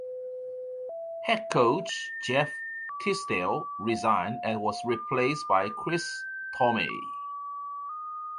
Head coach Jeff Tisdel resigned and was replaced by Chris Tormey.